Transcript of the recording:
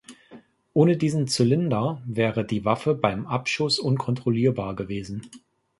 Ohne diesen Zylinder wäre die Waffe beim Abschuss unkontrollierbar gewesen.